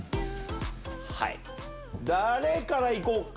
誰からいこうか？